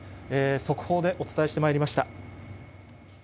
速報でお伝えしてまいりました。